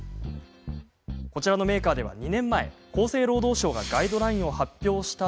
こちらのメーカーでは２年前厚生労働省がガイドラインを発表した